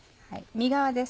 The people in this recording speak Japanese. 身側です。